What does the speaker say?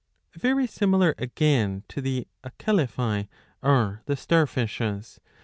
Very similar again to the Acalephae, are the Starfishes.